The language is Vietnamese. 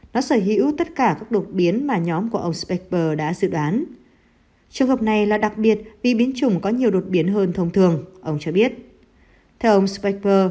nếu tất cả đột biến xuất hiện cùng một lúc nó có thể tạo ra một biến chủng vừa có khả năng né tránh hệ miễn pháp